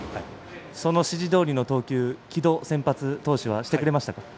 その指示どおりの投球を城戸先発投手はしてくれましたか。